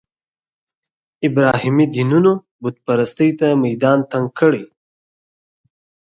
ابراهیمي دینونو بوت پرستۍ ته میدان تنګ کړی.